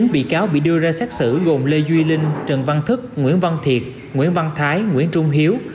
bốn bị cáo bị đưa ra xét xử gồm lê duy linh trần văn thức nguyễn văn thiệt nguyễn văn thái nguyễn trung hiếu